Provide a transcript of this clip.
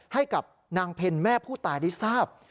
ให้กับนางเพลย์แม่ผู้ตายดิทรศาพย์